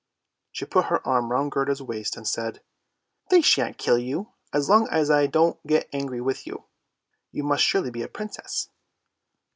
She put her arm round Gerda's waist and said, —" They shan't kill you as long as I don't get angry with you; you must surely be a Princess!